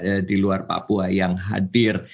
banyak yang juga diluar papua yang hadir